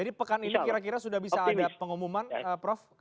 jadi pekan ini kira kira sudah bisa ada pengumuman prof